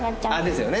ですよね！